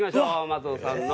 松尾さんの。